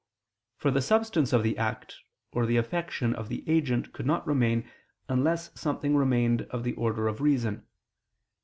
For the substance of the act, or the affection of the agent could not remain, unless something remained of the order of reason.